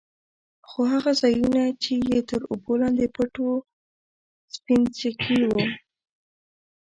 خو هغه ځايونه يې چې تر اوبو لاندې پټ وو سپينچکي وو.